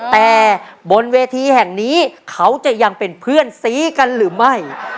แต่บนเวทีแห่งนี้เขาจะยังเป็นเพื่อนสีกันหรือไม่